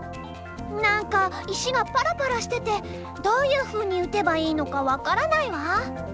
何か石がパラパラしててどういうふうに打てばいいのか分からないわ。